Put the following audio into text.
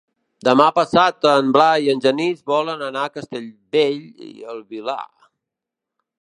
Demà passat en Blai i en Genís volen anar a Castellbell i el Vilar.